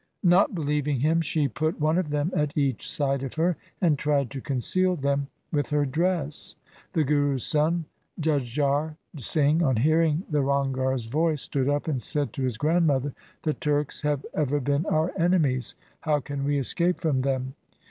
Not believing him, she put one of them at each side ol her, and tried to conceal them with her dress. The Guru's son Jujhar Singh on hearing the Ranghar's voice stood up and said to his grandmother, ' The Turks have ever been our enemies. How can we escape from them